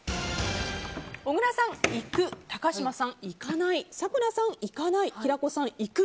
小倉さん、行く高嶋さん、行かない咲楽さん、行かない平子さん、行く。